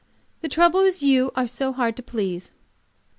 The trouble is you are so hard to please."